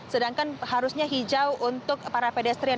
sedangkan harusnya hijau untuk para pedestrian